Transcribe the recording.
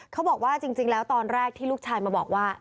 เขาบอกว่าจริงแล้วตอนแรกที่ลูกชายมาบอกว่า